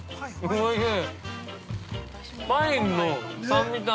◆おいしい。